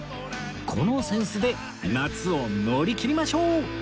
この扇子で夏を乗り切りましょう！